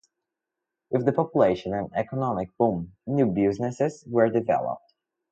With the population and economic boom, new businesses were developed.